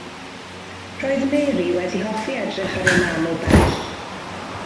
Roedd Mary wedi hoffi edrych ar ei mam o bell.